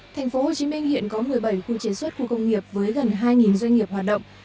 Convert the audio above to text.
thành phố hồ chí minh hiện có một mươi bảy khu chế xuất khu công nghiệp với gần hai doanh nghiệp hoạt động